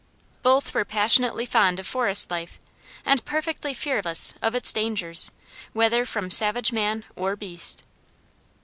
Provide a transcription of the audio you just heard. Both were passionately fond of forest life, and perfectly fearless of its dangers, whether from savage man or beast.